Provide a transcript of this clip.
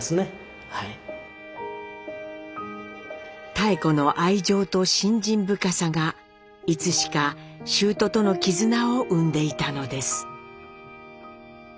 妙子の愛情と信心深さがいつしか舅との絆を生んでいたのです。